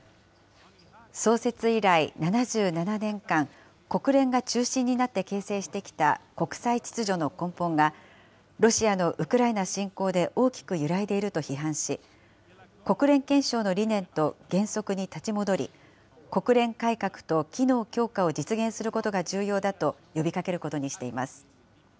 創設以来７７年間、国連が中心になって形成してきた国際秩序の根本が、ロシアのウクライナ侵攻で大きく揺らいでいると批判し、国連憲章の理念と原則に立ち戻り、国連改革と機能強化を実現することが重要だと呼びかけることにしています。